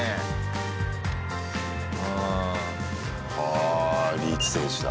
ああリーチ選手だ。